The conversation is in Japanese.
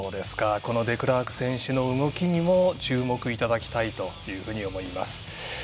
デクラーク選手の動きにも注目いただきたいと思います。